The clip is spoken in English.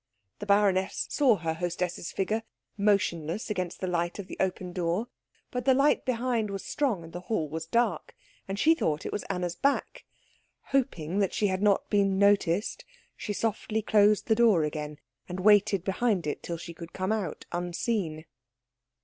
The baroness saw her hostess's figure motionless against the light of the open door; but the light behind was strong and the hall was dark, and she thought it was Anna's back. Hoping that she had not been noticed she softly closed the door again and waited behind it till she could come out unseen.